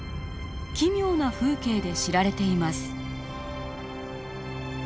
奇妙な風景で知られています。